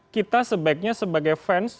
kita sebaiknya sebagai fans